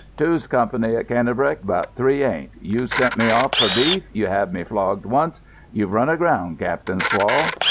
"Two's company at Cannebrake, but three ain't. You sent me off for beef. You had me flogged once. You've run aground, Cap'n Swall."